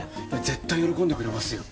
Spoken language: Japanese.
絶対喜んでくれますよ